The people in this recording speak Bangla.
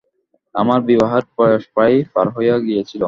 আমার বিবাহের বয়স প্রায় পার হইয়া গিয়াছিল।